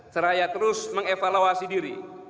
seraya terus mengevaluasi